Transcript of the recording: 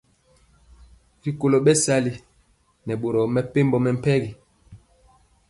Rikolo bɛsali nɛ boro mepempɔ mɛmpegi.